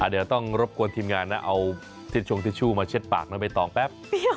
เดี๋ยวต้องรบกวนทีมงานนะเอาทิชชงทิชชู่มาเช็ดปากน้องใบตองแป๊บ